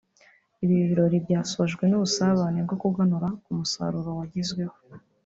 Ibi birori byasojwe n’ubusabane bwo kuganura ku musaruro wagezweho